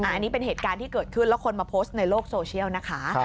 อันนี้เป็นเหตุการณ์ที่เกิดขึ้นแล้วคนมาโพสต์ในโลกโซเชียลนะคะ